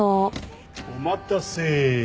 お待たせ！